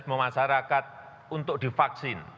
memasyarakat untuk divaksin